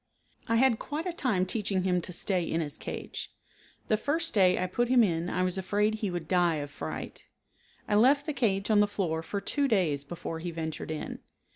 I had quite a time teaching him to stay in his cage. The first day I put him in I was afraid he would die of fright. I left the cage on the floor for two days before he ventured in.